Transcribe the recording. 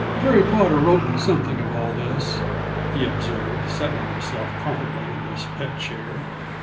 "Perry Potter wrote me something of all this," he observed, settling himself comfortably in his pet chair.